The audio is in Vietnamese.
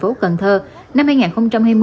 với tinh thần tốt đẹp và tốt đẹp